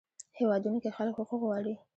هیوادونو کې خلک حقوق غواړي.